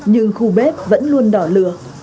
nhưng khu bếp vẫn luôn đỏ lửa